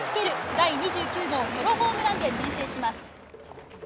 第２９号ソロホームランで先制します。